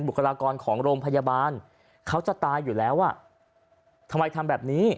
คลากรของโรงพยาบาลเขาจะตายอยู่แล้วอ่ะทำไมทำแบบนี้